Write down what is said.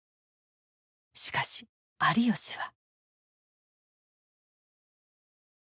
しかし有吉は。